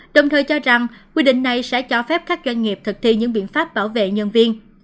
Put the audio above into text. đồng thời cho rằng quy định này sẽ cho phép các doanh nghiệp thực thi những biện pháp bảo vệ nhân viên